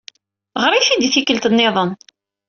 Ɣṛet-it-id i tikkelt nniḍen.